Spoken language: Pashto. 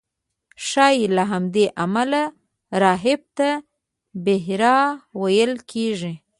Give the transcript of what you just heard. ښایي له همدې امله راهب ته بحیرا ویل کېږي.